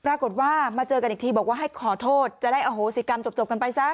ปรากฏว่ามาเจอกันอีกทีบอกว่าให้ขอโทษจะได้อโหสิกรรมจบกันไปซะ